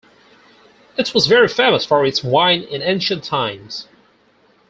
It was very famous for its wine in ancient times.